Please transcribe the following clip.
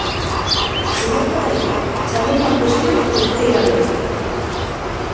Señor Cadaía, chameino á cuestión por terceira vez.